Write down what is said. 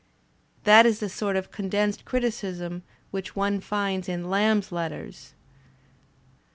That is the sort of condensed criticism which one finds in Lamb's letters.